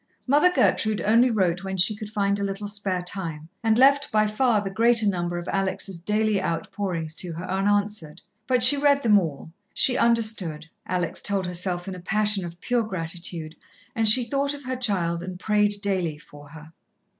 Mother Gertrude only wrote when she could find a little spare time, and left by far the greater number of Alex' daily outpourings to her unanswered, but she read them all she understood, Alex told herself in a passion of pure gratitude and she thought of her child and prayed daily for her.